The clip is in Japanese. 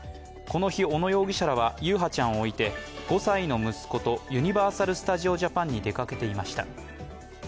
この日、小野容疑者らは優陽ちゃんを置いて５歳の息子とユニバーサル・スタジオ・ジャパンに出かけていました。